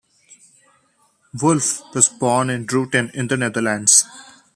Wolfe was born in Druten in the Netherlands.